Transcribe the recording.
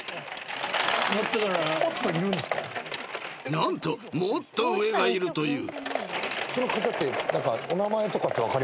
［何ともっと上がいるという］